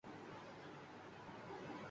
دوسرا قریب موضع چکوڑہ کی طرف بھاگ نکلا۔